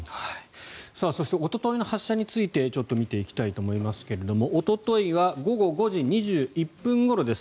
そしておとといの発射について見ていきたいと思いますがおとといは午後５時２１分ごろです。